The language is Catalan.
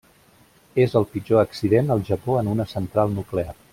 És el pitjor accident al Japó en una central nuclear.